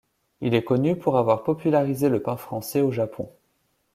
Il est connu pour avoir popularisé le pain français au Japon.